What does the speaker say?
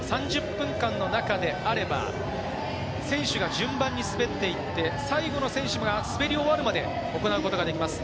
３０分間の中であれば選手が順番に滑っていって、最後の選手が滑り終わるまで行うことができます。